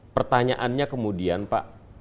pertanyaannya kemudian pak